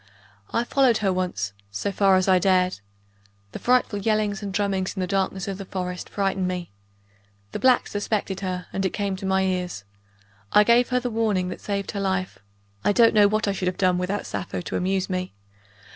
I followed her once, so far as I dared. The frightful yellings and drummings in the darkness of the forests frightened me. The blacks suspected her, and it came to my ears. I gave her the warning that saved her life (I don't know what I should have done without Sappho to amuse me!)